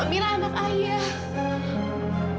amira anak ayah